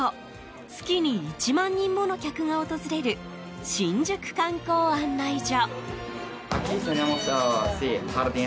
月に１万人もの客が訪れる新宿観光案内所。